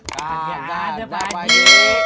kagak ada pagi